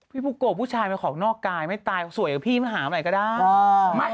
พี่ฟูโกผู้ชายมันของนอกกายไม่ตายสวยกับพี่มันหาไหมก็ได้